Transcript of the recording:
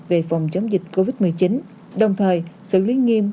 về phòng chống dịch covid một mươi chín đồng thời xử lý nghiêm